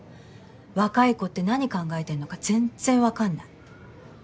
若い子って何考えてんのか全然わかんない。